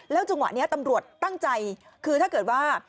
จังหวะนี้ตำรวจตั้งใจคือถ้าเกิดว่า